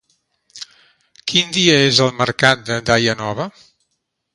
Quin dia és el mercat de Daia Nova?